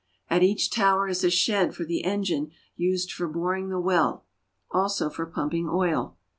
At each tower is a shed for the engine used for boring the well, also for pumping oil.